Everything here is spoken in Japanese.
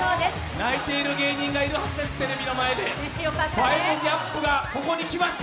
泣いている芸人がいるはずですテレビの前で、５ＧＡＰがここに来ました。